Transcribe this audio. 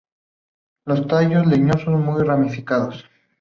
Los tallos leñosos, muy ramificados.